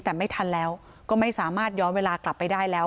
แต่ไม่ทันแล้วก็ไม่สามารถย้อนเวลากลับไปได้แล้ว